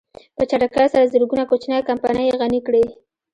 په چټکۍ سره زرګونه کوچنۍ کمپنۍ يې غني کړې.